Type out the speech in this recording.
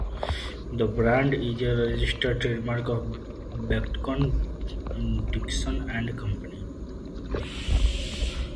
The brand is a registered trademark of Becton, Dickinson and Company.